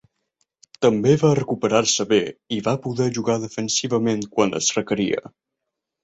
També va recuperar-se bé i va poder jugar defensivament quan es requeria.